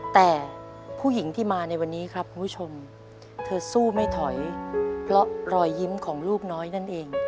แต่ผู้หญิงที่มาในวันนี้ครับคุณผู้ชมเธอสู้ไม่ถอยเพราะรอยยิ้มของลูกน้อยนั่นเอง